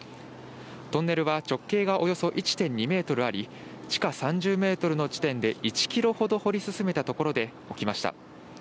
トンネルは直径がおよそ１．２ｍあり、地下３０ｍの地点で１ｋｍほど掘り進めたところで起きました。